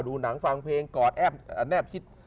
ดูหนังฟังเพลงกอดแอปแนบคิด